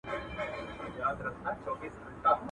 لکه ما چي خپل سکه وروڼه وژلي.